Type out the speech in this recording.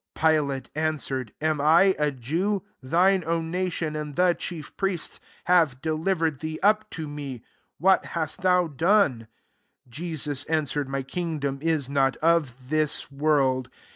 35 Pilate answered, "Am I a Jew ? Thine own nation, and the chief priests, have delivered thee up to me. What hast thou done?" 36 Jesus answered, "My kingdom is not of this world.